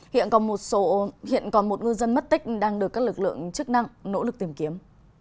hiện còn một ngư dân mất tích đang được các lực lượng chức năng nỗ lực tìm kiếm